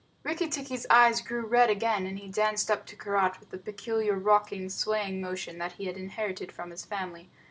Rikki tikki's eyes grew red again, and he danced up to Karait with the peculiar rocking, swaying motion that he had inherited from his family.